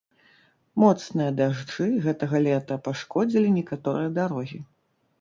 Моцныя дажджы гэтага лета пашкодзілі некаторыя дарогі.